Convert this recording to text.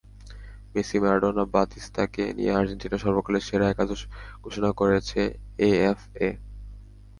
Messi, Maradona, বাতিস্তুতাকে নিয়ে আর্জেন্টিনার সর্বকালের সেরা একাদশ ঘোষণা করেছে এএফএ।